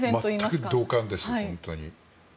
全く同感です、本当に。